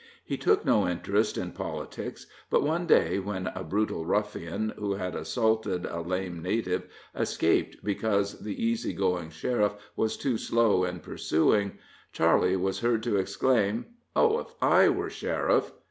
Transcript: He took no interest in politics, but one day when a brutal ruffian, who had assaulted a lame native, escaped because the easy going sheriff was too slow in pursuing, Charley was heard to exclaim, "Oh, if I were sheriff!"